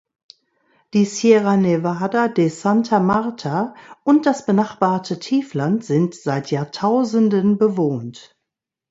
Die Sierra Nevada de Santa Marta und das benachbarte Tiefland sind seit Jahrtausenden bewohnt.